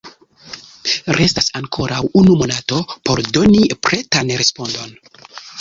Restas ankoraŭ unu monato por doni pretan respondon.